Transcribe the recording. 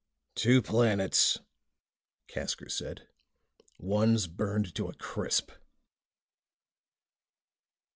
"Two planets," Casker said. "One's burned to a crisp."